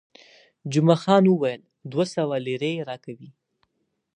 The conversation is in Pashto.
جمعه خان وویل، دوه سوه لیرې راکوي.